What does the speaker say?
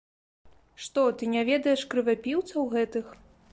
Што, ты не ведаеш крывапіўцаў гэтых?